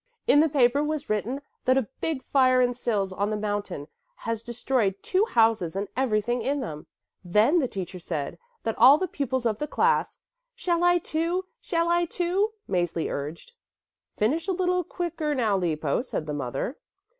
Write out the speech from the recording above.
"In the paper was written that a big fire in Sils on the mountain has destroyed two houses and everything in them. Then the teacher said that all the pupils of the class " "Shall I too, shall I, too?" Mäzli urged. "Finish a little quicker now, Lippo," said the mother.